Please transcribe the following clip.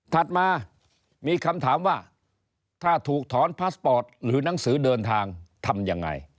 ถัดมามีคำถามว่าถ้าถูกถอนพาสปอร์ตหรือหนังสือเดินทางทำยังไง